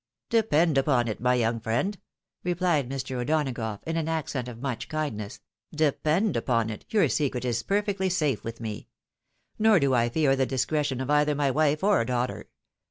" Depend upon it, my young friend," replied Mr. O'Dona gough, in an accent of much kindness, " depend upon it, your secret is perfectly safe with me ; nor do I fear the discretion of either my wife or daughter.